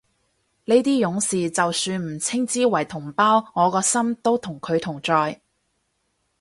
呢啲勇士就算唔稱之為同胞，我個心都同佢同在